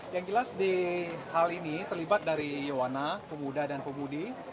yang jelas di hal ini terlibat dari yowana pemuda dan pemudi